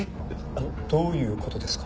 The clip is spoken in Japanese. あのどういう事ですか？